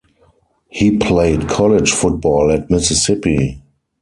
He played college football at Mississippi.